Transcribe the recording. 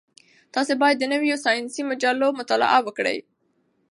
تاسي باید د نویو ساینسي مجلو مطالعه وکړئ.